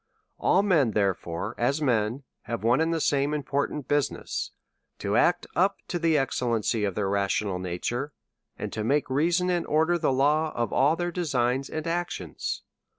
All men, therefore, as men, have one and the same important business, to act up to the excellency of their rational nature, and to mkke reason and order the law of all their designs and actions.